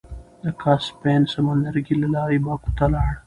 د کاسپين سمندرګي له لارې باکو ته لاړ.